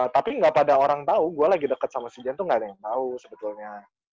tapi gak pada orang tau gue lagi deket sama si jen tuh gak ada yang tau sebetulnya